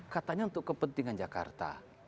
katanya untuk kepentingan jakarta